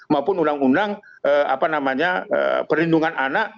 maupun undang undang perlindungan anak